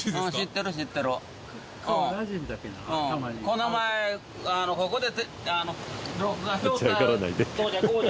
この前ここで。